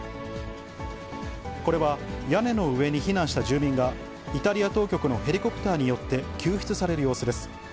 これは、屋根の上に避難した住民が、イタリア当局のヘリコプターによって救出される様子です。